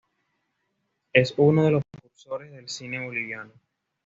Es uno de los precursores del cine boliviano.